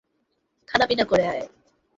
খানাপিনা করে আয়।